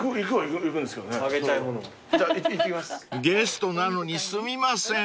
［ゲストなのにすみません］